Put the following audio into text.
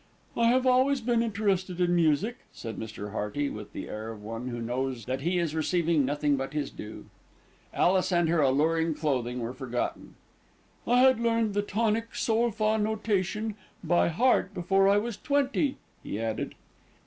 "I have always been interested in music," said Mr. Hearty, with the air of one who knows that he is receiving nothing but his due. Alice and her alluring clothing were forgotten. "I had learned the Tonic Sol fa notation by heart before I was twenty," he added.